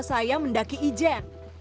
saya mendaki ijen